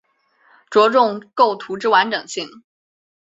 着重构图之完整性